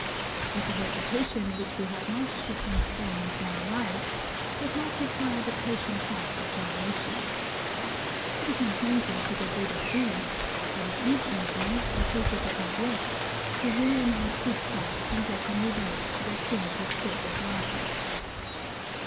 But the vegetation, which we have not to transform into our lives, does not require the patient thoughts of generations. It is not easy to get rid of weeds; but it is easy, by process of neglect, to ruin your food crops and let them revert to their primitive state of wildness.